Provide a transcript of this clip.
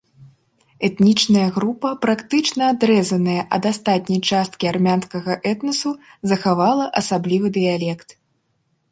Этнічная група, практычна адрэзаная ад астатняй часткі армянскага этнасу, захавала асаблівы дыялект.